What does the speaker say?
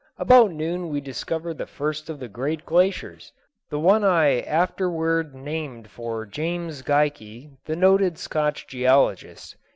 About noon we discovered the first of the great glaciers, the one I afterward named for James Geikie, the noted Scotch geologist.